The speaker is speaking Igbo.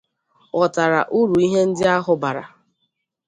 ghọtara uru ihe ndị ahụ bara